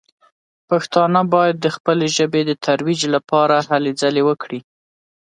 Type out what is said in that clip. پښتانه باید د خپلې ژبې د ترویج لپاره هلې ځلې وکړي.